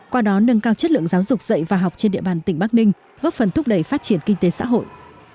qua đó nâng cao chất lượng giáo dục dạy và học trên địa bàn tỉnh bắc ninh góp phần thúc đẩy phát triển kinh tế xã hội